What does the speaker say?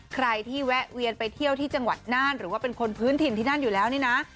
ใครที่แวะเวียนไปเที่ยวที่จังหวัดน่านหรือว่าเป็นคนพื้นถิ่นที่นั่นอยู่แล้วนี่นะ